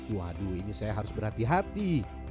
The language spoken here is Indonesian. waduh ini saya harus berhati hati